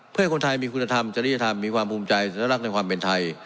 เพื่อให้คนไทยมีคุณธรรมจริยธรรมมีความภูมิใจสัญลักษณ์ในความเป็นไทย